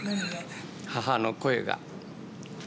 母の声が。